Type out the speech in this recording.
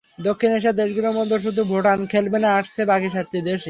দক্ষিণ এশিয়ার দেশগুলোর মধ্যে শুধু ভুটান খেলবে না, আসছে বাকি সাতটি দেশই।